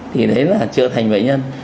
thì đấy là trở thành bệnh nhân